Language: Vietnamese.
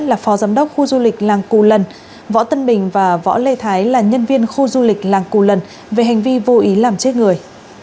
là phó giám đốc khu du lịch làng cù lần võ tân bình và võ lê thái là nhân viên khu du lịch làng cù lần về hành vi vô ý làm chết người